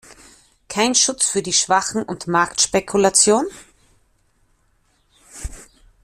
Kein Schutz für die Schwachen und Marktspekulation?